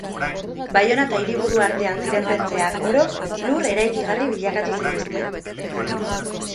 Baiona eta Hiriburu artean ziren pentzeak oro lur eraikigarri bilakatu zituzten.